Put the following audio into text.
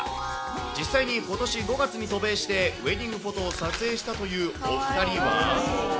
実際にことし５月に渡米してウエディングフォトを撮影したというお２人は。